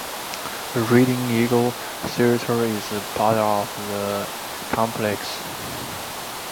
The Reading Eagle Theater is part of the complex.